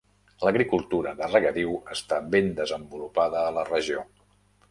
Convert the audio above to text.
L'agricultura de regadiu està ben desenvolupada a la regió.